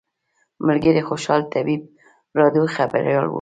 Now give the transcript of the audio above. ملګري خوشحال طیب راډیو خبریال و.